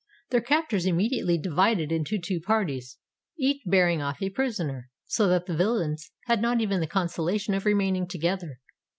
Their captors immediately divided into two parties, each bearing off a prisoner, so that the villains had not even the consolation of remaining together.